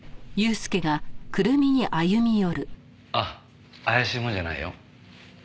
あ怪しい者じゃないよ。